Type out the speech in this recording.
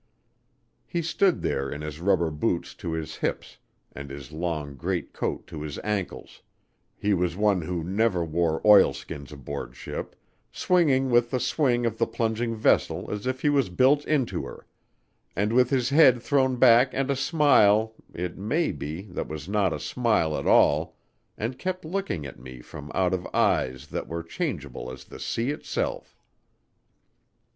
He stood there in his rubber boots to his hips and his long greatcoat to his ankles he was one who never wore oilskins aboard ship swinging with the swing of the plunging vessel as if he was built into her, and with his head thrown back and a smile, it may be, that was not a smile at all, and kept looking at me from out of eyes that were changeable as the sea itself.